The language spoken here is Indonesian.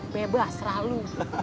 bebas serah lo